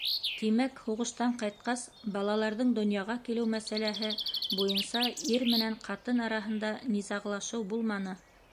Тимәк, һуғыштан ҡайтҡас, балаларҙың донъяға килеү мәсьәләһе буйынса ир менән ҡатын араһында... низағлашыу булманы?